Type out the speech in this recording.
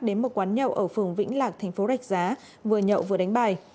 đến một quán nhậu ở phường vĩnh lạc tp rạch giá vừa nhậu vừa đánh bài